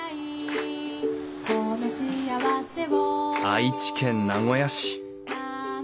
愛知県名古屋市。